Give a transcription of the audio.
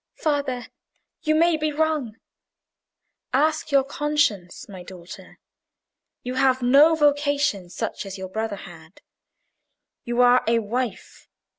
"Father, you may be wrong." "Ask your conscience, my daughter. You have no vocation such as your brother had. You are a wife.